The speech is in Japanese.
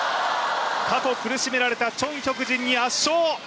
過去苦しめられたチョン・ヒョクジンに圧勝！